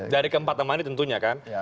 dari keempat teman tentunya kan